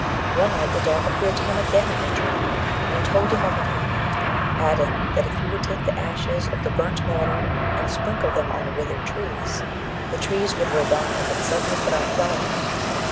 (2)] One night the dog appeared to him again in a dream, and told him what had happened, adding that if he would take the ashes of the burnt mortar and sprinkle them on withered trees, the trees would revive, and suddenly put out flowers.